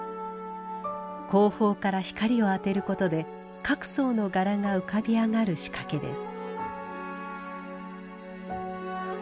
後方から光を当てることで各層の柄が浮かび上がる仕掛けです。